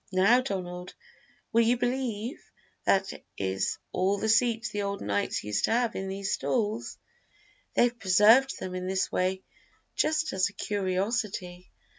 "Now, Donald, will you believe that is all the seat the old knights used to have in these stalls? They've preserved them in this way just as a curiosity.